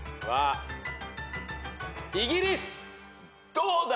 どうだ？